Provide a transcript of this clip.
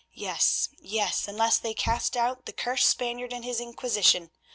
Yes, yes, unless they cast out the cursed Spaniard and his Inquisition.